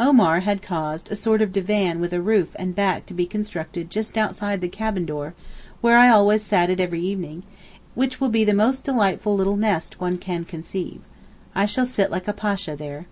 Omar had caused a sort of divan with a roof and back to be constructed just outside the cabin door where I always sat every evening, which will be the most delightful little nest one can conceive. I shall sit like a Pasha there.